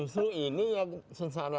justru ini yang secara